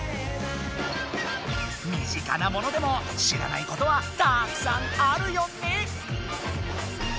みぢかなものでも知らないことはたくさんあるよね！